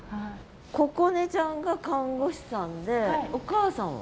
心音ちゃんが看護師さんでお母さんは？